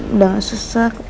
udah gak sesak